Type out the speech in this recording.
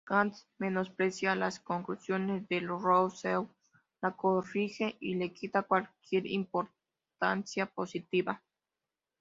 Kant menosprecia las conclusiones de Rousseau, lo corrige y le quita cualquier importancia positiva.